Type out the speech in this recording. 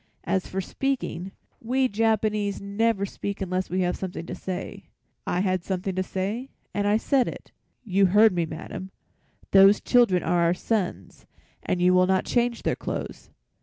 As for speaking, we Japanese never speak unless we have something to say. I had something to say, and I said it. You heard me, madam. Those children are our sons and you will not change their clothes."